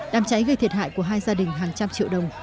đám cháy gây thiệt hại của hai gia đình hàng trăm triệu đồng